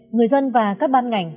người dân và các ban ngành